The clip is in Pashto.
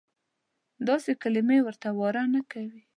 داسې کلیمې ورته واره نه کوي.